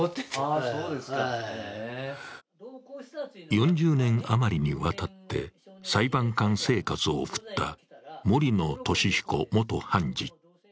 ４０年余りにわたって裁判官生活を送った森野俊彦元判事。